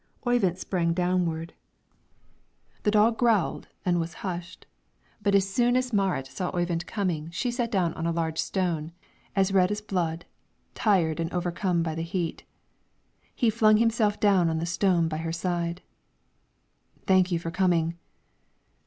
Oyvind sprang downward; the dog growled and was hushed; but as soon as Marit saw Oyvind coming she sat down on a large stone, as red as blood, tired and overcome by the heat. He flung himself down on the stone by her side. "Thank you for coming."